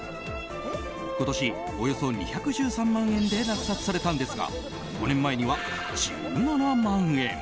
今年、およそ２１３万円で落札されたんですが５年前には１７万円。